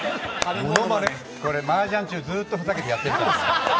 これ、マージャン中、ずっとふざけてやってるんですから。